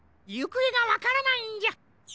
ゆくえがわからないんじゃ。